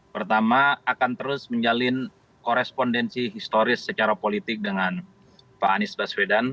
pertama akan terus menjalin korespondensi historis secara politik dengan pak anies baswedan